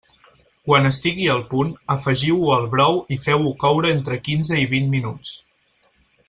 Quan estigui al punt, afegiu-ho al brou i feu-ho coure entre quinze i vint minuts.